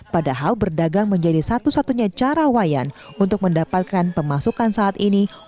padahal berdagang menjadi satu satunya cara wayan untuk mendapatkan pemasukan saat ini